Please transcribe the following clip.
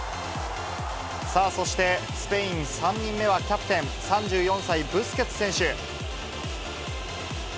さあ、そしてスペイン３人目はキャプテン、３４歳ブスケツ選手。